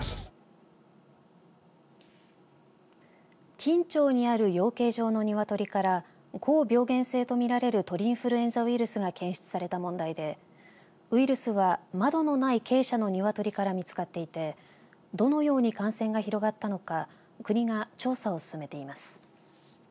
金武町にある養鶏場の鶏から高病原性と見られる鳥インフルエンザウイルスが検出された問題でウイルスは窓のない鶏舎の鶏から見つかっていってどのように感染が広がったのか国が調査を進めています。